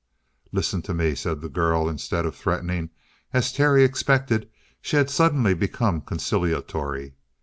"Listen to me," said the girl. Instead of threatening, as Terry expected, she had suddenly become conciliatory.